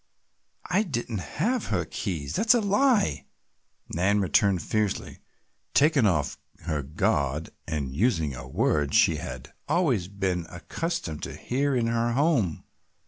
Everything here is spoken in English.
"I didn't have her keys, that's a lie," Nan returned fiercely, taken off her guard and using a word she had always been accustomed to hear in her home.